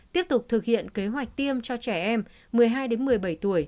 tiếp tục thực hiện kế hoạch tiêm cho trẻ em một mươi hai một mươi bảy tuổi